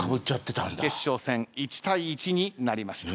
決勝戦１対１になりました。